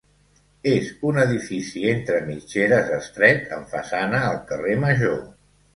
És un edifici entre mitgeres, estret, amb façana al carrer Major.